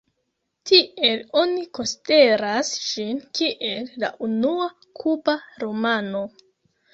Tiel oni konsideras ĝin kiel la unua kuba romano.